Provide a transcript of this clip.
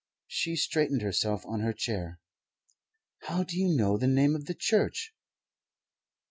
She straightened herself on her chair. "How do you know the name of the church?"